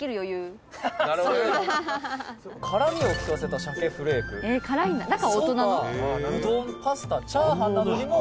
宮田：「辛みを利かせた鮭フレーク」「そば、うどん、パスタチャーハンなどにも合う」